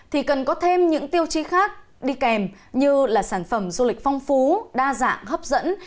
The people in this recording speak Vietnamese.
thì cần có thêm những tiêu chí khác đi kèm như là sản phẩm du lịch phong phú đa dạng hấp dẫn